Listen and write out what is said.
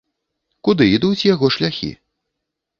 Куды ідуць яго шляхі?